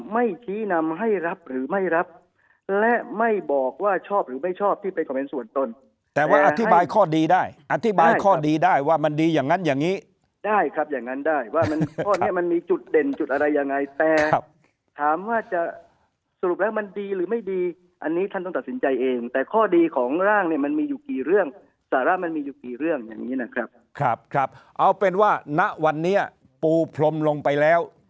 ๓ไม่คี้นำให้รับหรือไม่รับและไม่บอกว่าชอบหรือไม่ชอบที่เป็นความเป็นส่วนต้นแต่ว่าอธิบายข้อดีได้อธิบายข้อดีได้ว่ามันดีอย่างงั้นอย่างงี้ได้ครับอย่างงั้นได้ว่ามันมีจุดเด่นจุดอะไรยังไงแต่ถามว่าจะสรุปแล้วมันดีหรือไม่ดีอันนี้ท่านต้องตัดสินใจเองแต่ข้อดีของร่างมันมีอยู่กี่เรื่องสาระม